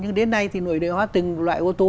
nhưng đến nay thì nội địa hóa từng loại ô tô